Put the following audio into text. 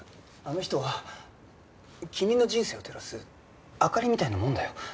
あの人は君の人生を照らす明かりみたいなもんだよ。